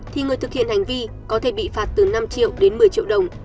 thì người thực hiện hành vi có thể bị phạt từ năm triệu đến một mươi triệu đồng